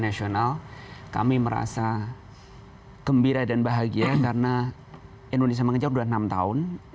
pada saat ini di indonesia mengajar kami merasa gembira dan bahagia karena indonesia mengajar sudah enam tahun